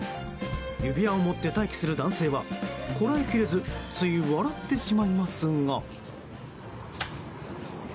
指輪を持って待機する男性はこらえきれずつい笑ってしまいますが。